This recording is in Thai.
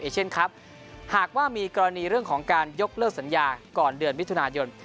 เช่นครับหากว่ามีกรณีเรื่องของการยกเลิกสัญญาก่อนเดือนมิถุนายน